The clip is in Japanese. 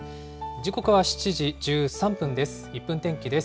時刻は７時１３分です。